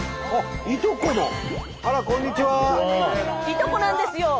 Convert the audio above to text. いとこなんですよ！